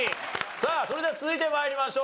さあそれでは続いて参りましょう。